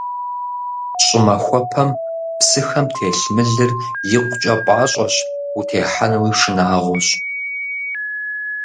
Щӏымахуэпэм псыхэм телъ мылыр икъукӀэ пӀащӀэщ, утехьэнуи шынагъуэщ.